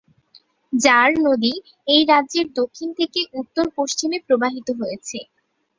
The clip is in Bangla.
জার নদী এই রাজ্যের দক্ষিণ থেকে উত্তর-পশ্চিমে প্রবাহিত হয়েছে।